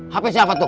hp siapa tuh